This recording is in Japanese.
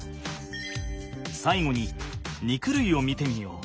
さいごに肉類を見てみよう。